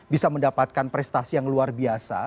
bisa mendapatkan prestasi yang luar biasa